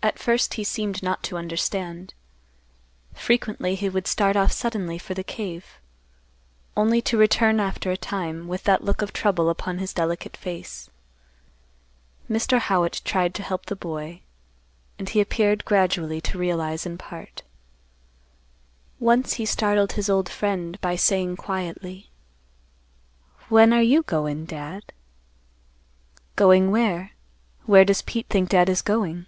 At first he seemed not to understand. Frequently he would start off suddenly for the cave, only to return after a time, with that look of trouble upon his delicate face. Mr. Howitt tried to help the boy, and he appeared gradually to realize in part. Once he startled his old friend by saying quietly, "When are you goin', Dad?" "Going where? Where does Pete think Dad is going?"